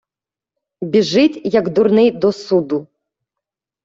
Біжить, як дурний до суду.